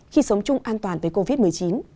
khi sống chung an toàn với covid một mươi chín